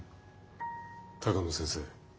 鷹野先生